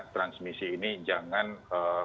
transmisi ini jangan eeem